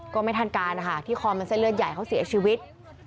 ก็ไม่ทันการนะคะที่คอมันเส้นเลือดใหญ่เขาเสียชีวิต